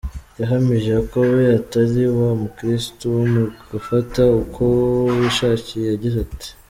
Yahamije ko we atari wa mukristo wo gufata uko wishakiye, yagize ati:.